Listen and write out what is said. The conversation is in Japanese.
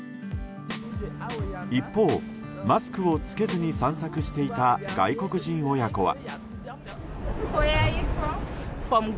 一方、マスクを着けずに散策していた外国人親子は。